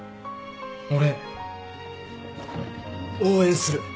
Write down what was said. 俺応援する。